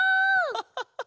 ハハハハハ！